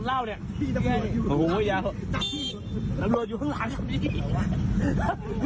ไม่ไหวน้ำรวดอยู่ข้างหลัง